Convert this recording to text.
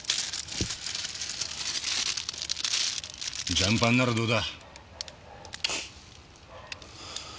ジャムパンならどうだ？